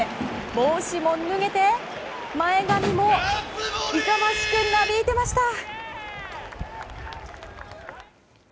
帽子も脱げて前髪も勇ましくなびいてました。